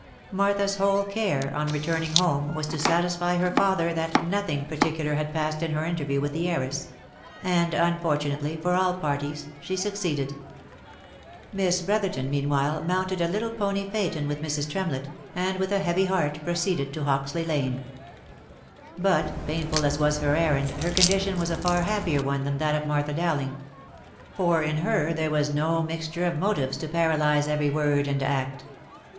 Martha's whole care, on returning home, was to satisfy her father that nothing particular had passed in her interview with the heiress ; and, unfortunately for all parties, she succeeded. Miss Brotherton, meanwhile, mounted a little pony phaeton with Mrs. Tremlett, and with a heavy heart proceeded to Hoxley lane. But, painful as was her errand, her condition was a far happier one than that of Martha Dowling ; for in her there was no mixture of motives to paralyze every word and act.